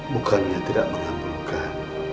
bukannya tidak mengabulkan